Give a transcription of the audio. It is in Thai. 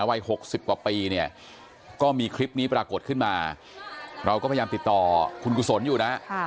วัย๖๐กว่าปีเนี่ยก็มีคลิปนี้ปรากฏขึ้นมาเราก็พยายามติดต่อคุณกุศลอยู่นะ